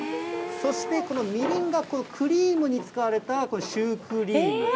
そして、このみりんがクリームに使われたシュークリーム。